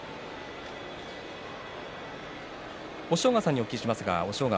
押尾川さんにお聞きします。